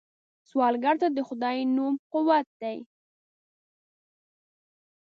سوالګر ته د خدای نوم قوت دی